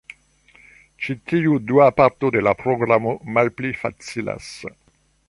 Ĉi tiu dua parto de la programo malpli facilas.